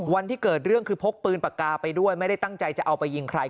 วันที่เกิดเรื่องคือพกปืนปากกาไปด้วยไม่ได้ตั้งใจจะเอาไปยิงใคร